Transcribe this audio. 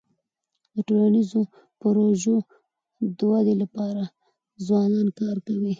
د ټولنیزو پروژو د ودی لپاره ځوانان کار کوي.